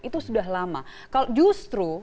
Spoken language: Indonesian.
itu sudah lama kalau justru